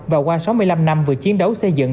và qua sáu mươi năm năm vừa chiến đấu xây dựng